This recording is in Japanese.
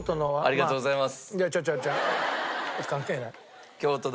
ありがとうございます。